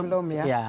dpw belum ya